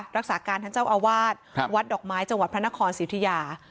รักษาการท่านเจ้าอาวาสวัดดอกไม้จังหวัดพระนครสิทธิยา